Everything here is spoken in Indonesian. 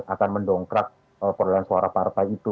akan mendongkrak perolehan suara partai itu